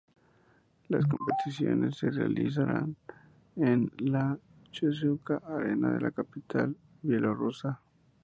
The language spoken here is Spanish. Las competiciones se realizarán en la Chyzhouka-Arena de la capital bielorrusa.